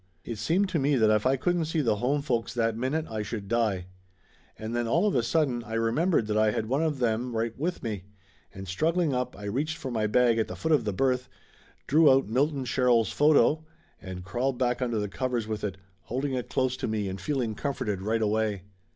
It seemed to me that if I couldn't see the home folks that minute I should die. And then all of a sudden I remembered that I had one of them right with me, and struggling up I reached for my bag at the foot of the berth, drew out Milton Sherrill's photo, and crawled back under the covers with it, holding it close to me and feeling comforted right away.